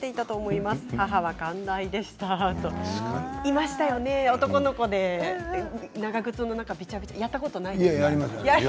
いましたよね、男の子で長靴の中びちゃびちゃやりました。